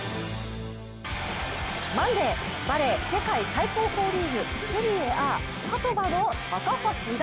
マンデー、バレー世界最高峰リーグセリエＡパドバの高橋藍。